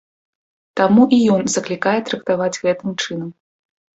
Таму і ён заклікае трактаваць гэтым чынам.